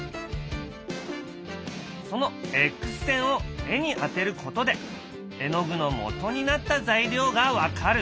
そのエックス線を絵に当てることで絵の具のもとになった材料が分かる。